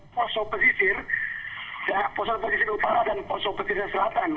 pusat operasi tinombala dilakukan di wilayah poso pesisir selatan